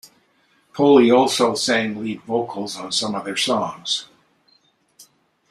Poley also sang lead vocals on some of their songs.